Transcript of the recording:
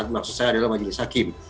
maksud saya adalah majelis hakim